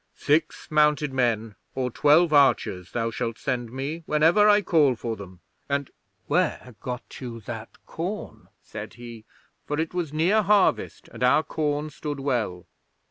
"Six mounted men or twelve archers thou shalt send me whenever I call for them, and where got you that corn?" said he, for it was near harvest, and our corn stood well.